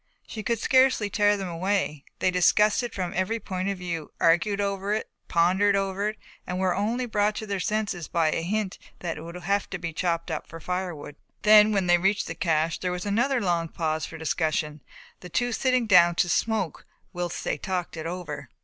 She could scarcely tear them away, they discussed it from every point of view, argued over it, pondered over it and were only brought to their senses by a hint that it would have to be chopped up for firewood. Then, when they reached the cache, there was another long pause for discussion, the two sitting down to smoke whilst they talked it over.